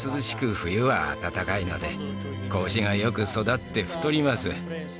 冬は暖かいので子牛がよく育って太ります